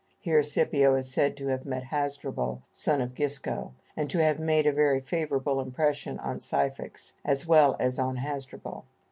Here Scipio is said to have met Hasdrubal, son of Gisco, and to have made a very favorable impression on Syphax as well as on Hasdrubal.